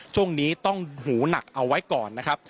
ช่วงนี้ต้องหูหนักเอาไว้ก่อนนะครับ